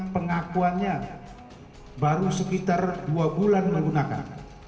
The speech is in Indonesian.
pengakuannya baru sekitar dua bulan menggunakan